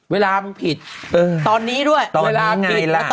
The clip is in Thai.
เวลามันผิดตอนนี้ด้วย